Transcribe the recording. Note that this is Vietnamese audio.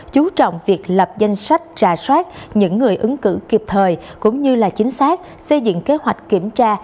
chú trọng việc lập danh sách trà soát những người ứng cử kịp thời cũng như chính xác xây dựng kế hoạch kiểm tra